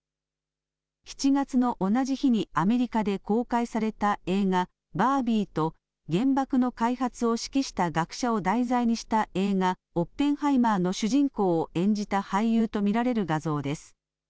７月の同じ日にアメリカで公開された映画、バービーと、原爆の開発を指揮した学者を題材にした映画、オッペンハイマーの主人公を演じた俳優と見られる画像です。